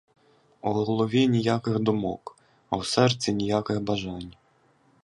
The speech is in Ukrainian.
У голові ніяких думок, а в серці ніяких бажань.